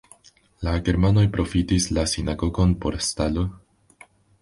La germanoj profitis la sinagogon por stalo.